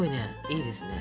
いいですね。